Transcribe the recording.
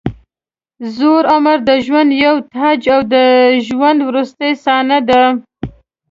زوړ عمر د ژوند یو تاج او د ژوند وروستۍ صحنه ده.